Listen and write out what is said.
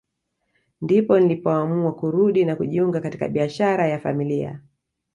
Ndipo nilipoamua kurudi na kujiunga katika biashara ya familia